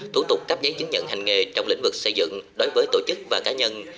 thủ tục cắp giấy chứng nhận hành nghề trong lĩnh vực xây dựng đối với tổ chức và cá nhân